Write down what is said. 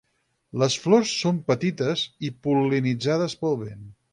Les flors són petites i pol·linitzades pel vent.